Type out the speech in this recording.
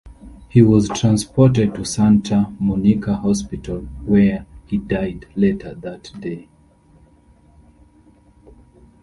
He was transported to Santa Monica Hospital where he died later that day.